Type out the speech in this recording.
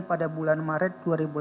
pada bulan maret dua ribu delapan belas